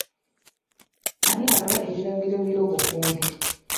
Ani agaba ekiragiro ky'obukuumi?